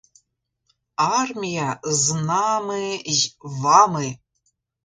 Армія з нами й вами!